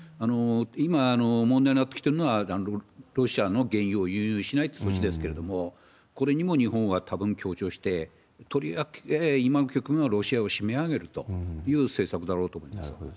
今、問題になってきてるのは、ロシアの原油を輸入しないっていう措置ですけれども、これにも日本はたぶん強調して、とりわけ、今の局面はロシアを締め上げるという政策だろうと思います。